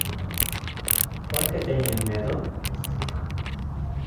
¿Por que teñen medo?